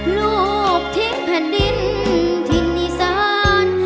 หลุบทิ้งแผ่นดินทินิสาน